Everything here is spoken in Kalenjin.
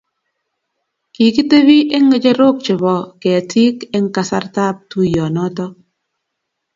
Kikitepi eng ng'echerook chebo ketiik eng kasartab tuiyonotok.